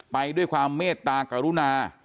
ไปด้วยความเมตตากรุณา